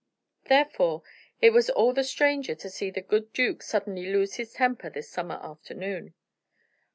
Therefore, it was all the stranger to see the good duke suddenly lose his temper this summer afternoon.